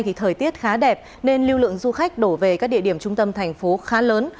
thì thời tiết khá đẹp nên lưu lượng du khách đổ về các địa điểm trung tâm thành phố khá lớn